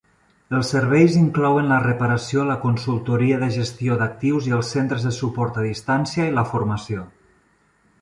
Els serveis inclouen la reparació, la consultoria de gestió d'actius i els centres de suport a distància i la formació.